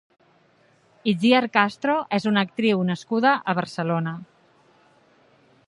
Itziar Castro és una actriu nascuda a Barcelona.